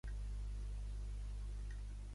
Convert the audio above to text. Està escrita amb un català fortament llatinitzant.